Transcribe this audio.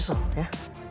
kamu baru nyesel ya